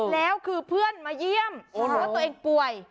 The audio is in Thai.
แล้วคือเพื่อนมาเยี่ยมรู้ว่าตัวเองป่วย